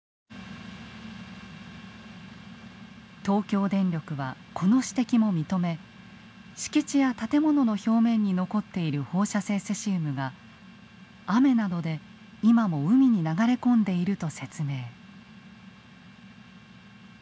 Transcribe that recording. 東京電力はこの指摘も認め敷地や建物の表面に残っている放射性セシウムが雨などで今も海に流れ込んでいると説明。